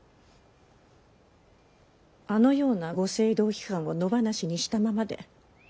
あのようなご政道批判を野放しにしたままで。